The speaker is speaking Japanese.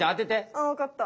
あ分かった。